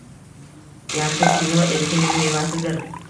Yaxshi kino erkinlik mevasidir